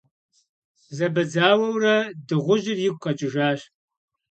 Зэбэдзауэурэ, дыгъужьыр игу къэкӏыжащ.